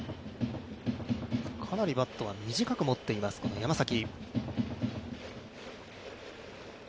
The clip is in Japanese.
かなりバットは短く持っています山崎。